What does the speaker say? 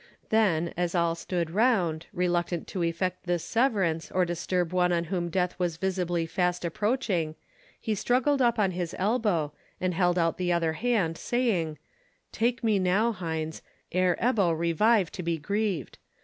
Then, as all stood round, reluctant to effect this severance, or disturb one on whom death was visibly fast approaching, he struggled up on his elbow, and held out the other hand, saying, "Take me now, Heinz, ere Ebbo revive to be grieved.